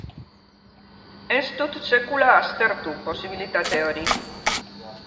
Ez dut sekula aztertu posibilitate hori.